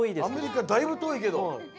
アメリカだいぶとおいけど。